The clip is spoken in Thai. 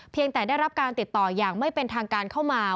แต่ได้รับการติดต่ออย่างไม่เป็นทางการเข้ามา